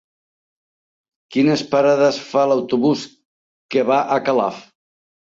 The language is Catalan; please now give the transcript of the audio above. Quines parades fa l'autobús que va a Calaf?